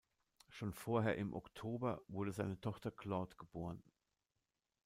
Schon vorher im Oktober wurde seine Tochter Claude geboren.